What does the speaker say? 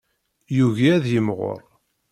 Yugi ad yimɣur.